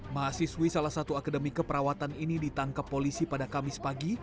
mahasiswi salah satu akademi keperawatan ini ditangkap polisi pada kamis pagi